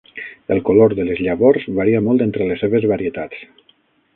El color de les llavors varia molt entre les seves varietats.